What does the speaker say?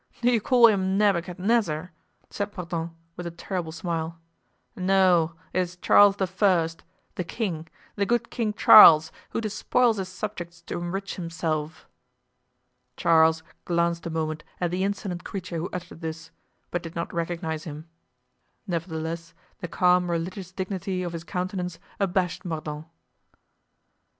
"Do you call him Nebuchadnezzar?" said Mordaunt, with a terrible smile; "no, it is Charles the First, the king, the good King Charles, who despoils his subjects to enrich himself." Charles glanced a moment at the insolent creature who uttered this, but did not recognize him. Nevertheless, the calm religious dignity of his countenance abashed Mordaunt.